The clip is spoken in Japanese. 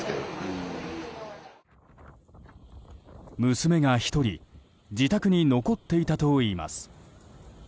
娘が１人自宅に残っていたといいます。